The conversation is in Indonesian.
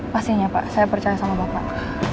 pastinya pak saya percaya sama bapak